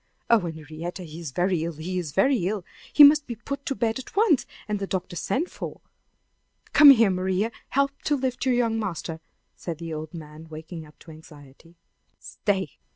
Oh, Henrietta! he is very ill he is very ill! He must be put to bed at once, and the doctor sent for! Come here, Maria! Help me to lift your young master," said the old man, waking up to anxiety. "Stay!